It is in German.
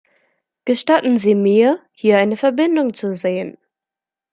Gestatten Sie mir, hier eine Verbindung zu sehen.